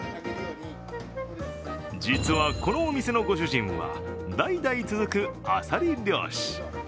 実はこのお店のご主人は代々続くあさり漁師。